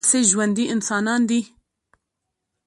هسې ژوندي انسانان دي